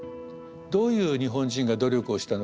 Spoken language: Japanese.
どういう日本人が努力をしたのか。